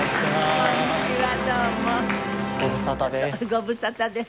ご無沙汰です。